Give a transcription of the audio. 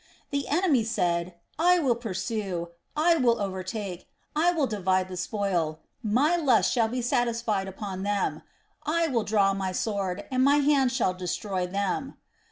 "The enemy said, I will pursue, I will overtake, I will divide the spoil; my lust shall be satisfied upon them; I will draw my sword, my hand shall destroy them.